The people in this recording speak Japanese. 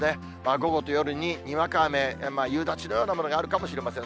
午後と夜ににわか雨、夕立のようなものがあるかもしれません。